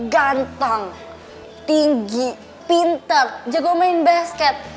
ganteng tinggi pinter jago main basket